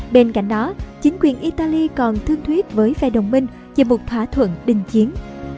bên cạnh đó chính quyền italy còn thương thuyết với phe đồng minh về một thỏa thuận đình chiến